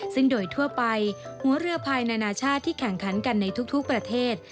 ซึ่งโดยทั่วไปหัวเรือภายนานาชาติที่แข่งขันกันในทุกประเทศ